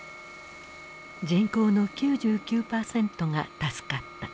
人口の９９％が助かった。